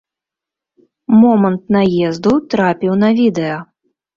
Момант наезду трапіў на відэа.